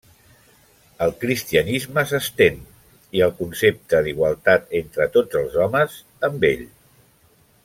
El cristianisme s’estén, i el concepte d’igualtat entre tots els homes amb ell.